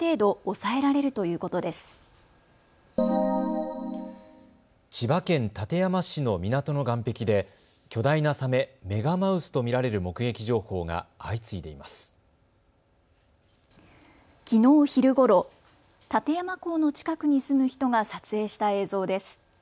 きのう昼ごろ館山港の近くに住む人が撮影した映像です。